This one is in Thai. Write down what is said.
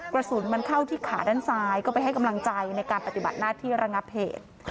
กระสุนมันเข้าที่ขาด้านซ้ายก็ไปให้กำลังใจในการปฏิบัติหน้าที่ระงับเหตุ